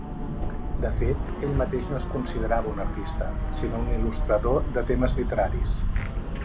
De fet, ell mateix no es considerava un artista, sinó un il·lustrador de temes literaris.